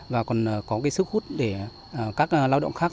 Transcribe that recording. và còn có cái sức hút để các lao động khác